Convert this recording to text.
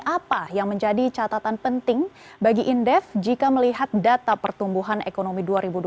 apa yang menjadi catatan penting bagi indef jika melihat data pertumbuhan ekonomi dua ribu dua puluh